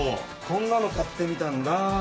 こんなの買ってみたんだ。